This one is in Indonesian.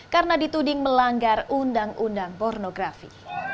karena dituding melanggar undang undang pornografi